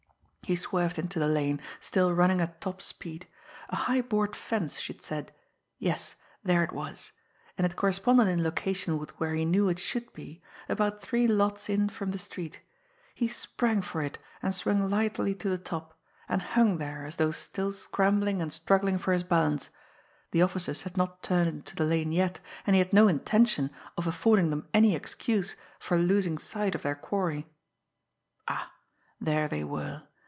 He swerved into the lane, still running at top speed. A high board fence, she had said yes, there it was! And it corresponded in location with where he knew it should be about three lots in from the street. He sprang for it, and swung lithely to the top and hung there, as though still scrambling and struggling for his balance. The officers had not turned into the lane yet, and he had no intention of affording them any excuse for losing sight of their quarry! Ah! There they were!